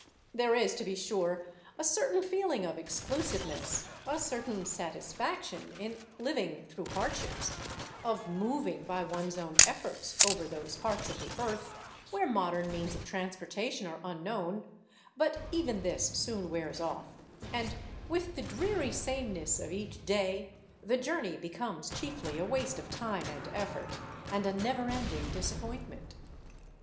There is, to be sure, a certain feeling of exclusiveness, a certain satisfaction in liv ing through hardships, of moving by one's own efforts over those parts of the earth where modern means of transportation are unknown ; but even this soon wears off, and with the dreary sameness of each day the journey becomes chiefly a waste of time and effort, and a never ending disappointment.